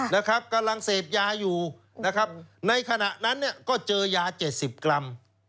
นะครับกำลังเสพยาอยู่นะครับในขณะนั้นเนี่ยก็เจอยาเจ็ดสิบกรัม